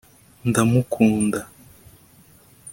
ndamukunda